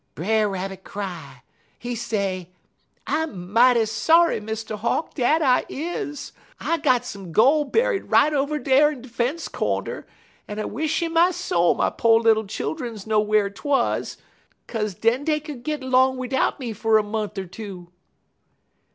"Brer Rabbit cry. He say: "'I mighty sorry, Mr. Hawk, dat I is. I got some gol' buried right over dar in fence cornder, en I wish in my soul my po' little childuns know whar 't wuz, 'kaze den dey could git long widout me fer a mont' er two.'